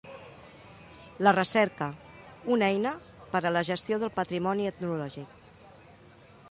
La recerca: una eina per a la gestió del patrimoni etnològic.